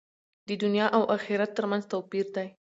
د دنیا او آخرت تر منځ توپیر دی.